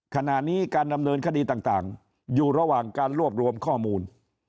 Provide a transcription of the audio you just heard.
ขณะนี้การดำเนินคดีต่างอยู่ระหว่างการรวบรวมข้อมูล